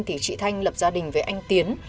thì chị thanh lập gia đình với anh tiến